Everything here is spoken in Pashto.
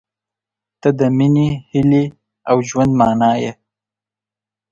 • ته د مینې، هیلې، او ژوند معنی یې.